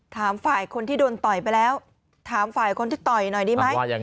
ถามฝ่ายคนที่ต่อยหน่อยดีไหม